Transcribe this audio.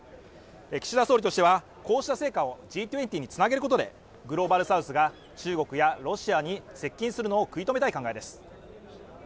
岸田総理としてはこうした成果をＧ２０につなげることでグローバルサウスが中国やロシアに接近するのを食い止めたい考えです